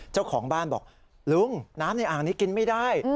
เจ้าของบ้านบอกลุงน้ำในอ่างนี้กินไม่ได้